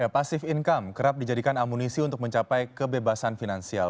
pasif income kerap dijadikan amunisi untuk mencapai kebebasan finansial